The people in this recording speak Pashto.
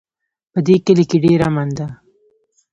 په دې کلي کې ډېر امن ده